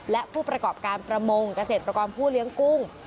และผู้ประกอบการประมงเกษตรกรผู้เลี้ยงกุ้ง